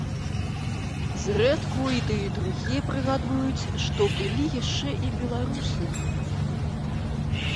Зрэдку і тыя і другія прыгадваюць, што былі яшчэ і беларусы.